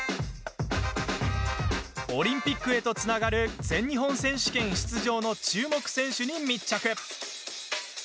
オリンピックへとつながる全日本選手権出場の注目選手に密着。